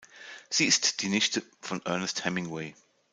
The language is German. Sie ist die Nichte von Ernest Hemingway.